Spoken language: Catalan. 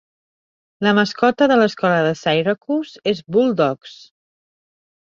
La mascota de l'escola de Syracuse és Bulldogs.